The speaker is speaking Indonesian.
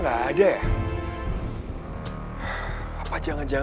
aku mau mencoba